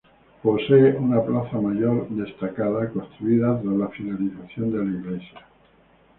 Posee una plaza mayor destacada, construida tras la finalización de la iglesia.